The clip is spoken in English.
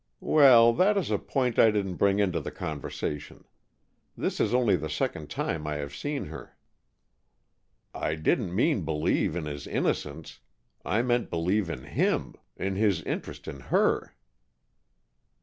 "Well, that is a point I didn't bring into the conversation. This is only the second time I have seen her." "I didn't mean believe in his innocence. I meant, believe in him, in his interest in her?"